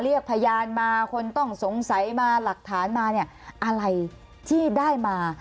เรียกพยานมาคนต้องสงสัยมาหลักฐานมาเนี่ยอะไรที่ได้มา